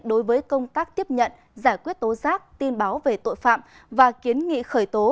đối với công tác tiếp nhận giải quyết tố giác tin báo về tội phạm và kiến nghị khởi tố